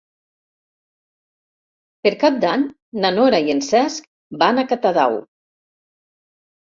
Per Cap d'Any na Nora i en Cesc van a Catadau.